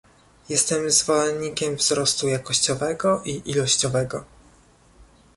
Jestem zwolennikiem wzrostu jakościowego i ilościowego